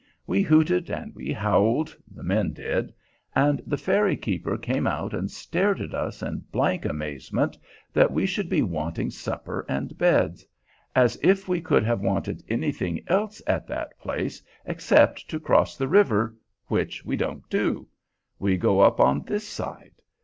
We hooted and we howled, the men did, and the ferry keeper came out and stared at us in blank amazement that we should be wanting supper and beds. As if we could have wanted anything else at that place except to cross the river, which we don't do. We go up on this side.